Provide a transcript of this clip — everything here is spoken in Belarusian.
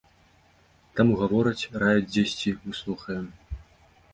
Таму гавораць, раяць дзесьці, мы слухаем.